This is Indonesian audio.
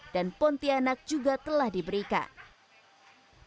dan pontianak juga telah diberikan